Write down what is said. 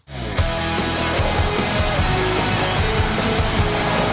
เหน่ะ